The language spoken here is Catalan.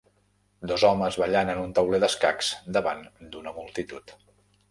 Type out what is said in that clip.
dos homes ballant en un tauler d'escacs davant d'una multitud